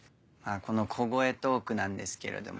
この「小声トーク」なんですけれども。